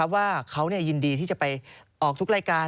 ว่าเขายินดีที่จะไปออกทุกรายการ